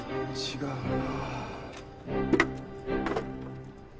違うな。